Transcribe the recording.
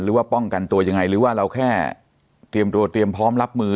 หรือว่าป้องกันตัวยังไงหรือว่าเราแค่เตรียมตัวเตรียมพร้อมรับมือ